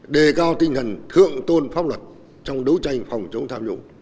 đề cao tinh thần thượng tôn pháp luật trong đấu tranh phòng chống tham nhũng